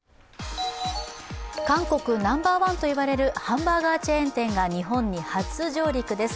韓国ナンバーワンと言われるハンバーガーチェーン店が日本に初上陸です。